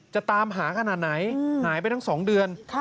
จะตามหาขนาดไหนหายไปทั้ง๒เดือน